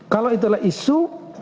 kalau itulah isu